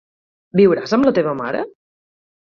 Viuràs amb la teva mare?